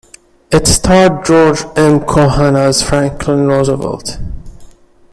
It starred George M. Cohan as Franklin Roosevelt.